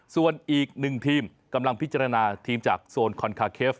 ส่วนอีกหนึ่งทีมกำลังพิจารณาทีมจากโซนคอนคาเคฟ